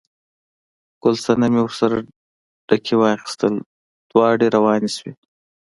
ګل صنمې ورسره ډکي واخیستل، دواړه روانې شوې.